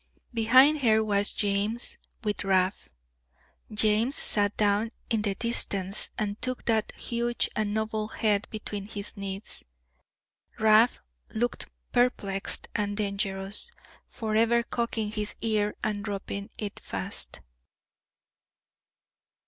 Behind her was James with Rab. James sat down in the distance, and took that huge and noble head between his knees. Rab looked perplexed and dangerous; forever cocking his ear and dropping it as fast.